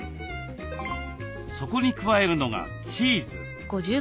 そこに加えるのがチーズ。